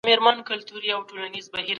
په کور کې بد اخلاق نه خپرول کېږي.